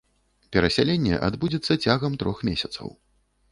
Перасяленне адбудзецца цягам трох месяцаў.